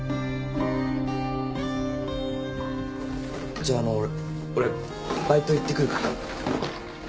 じゃあの俺バイト行ってくるから。